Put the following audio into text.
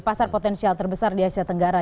pasar potensial terbesar di asia tenggara